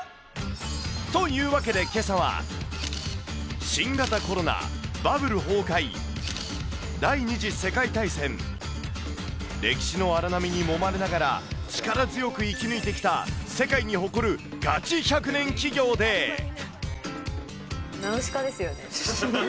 というわけで、けさは、新型コロナ、バブル崩壊、第２次世界大戦、歴史の荒波にもまれながら力強く生き抜いてきた世界に誇るガチナウシカですよね？